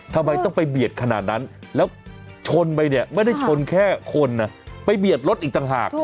ทำไมต้องไปเบียดขนาดนั้นแล้วชนไปเนี่ยไม่ได้ชนแค่คนนะ